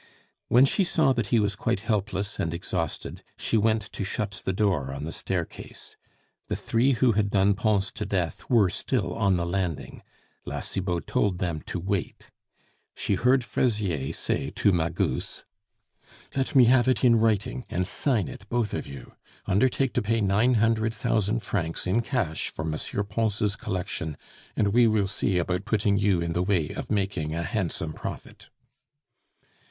When she saw that he was quite helpless and exhausted, she went to shut the door on the staircase. The three who had done Pons to death were still on the landing; La Cibot told them to wait. She heard Fraisier say to Magus: "Let me have it in writing, and sign it, both of you. Undertake to pay nine hundred thousand francs in cash for M. Pons' collection, and we will see about putting you in the way of making a handsome profit."